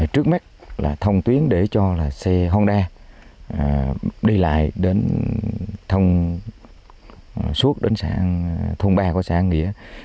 trước mắt là thông tuyến để cho xe honda đi lại